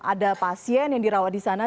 ada pasien yang dirawat di sana